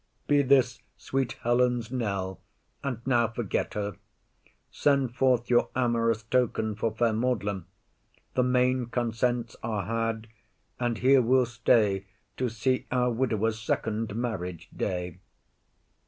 Be this sweet Helen's knell, and now forget her. Send forth your amorous token for fair Maudlin. The main consents are had, and here we'll stay To see our widower's second marriage day.